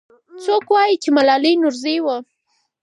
څوک وایي چې ملالۍ نورزۍ وه؟